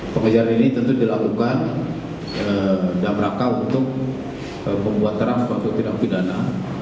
pembelajaran ini tentu dilakukan dan mereka untuk membuat terang untuk tidak pidana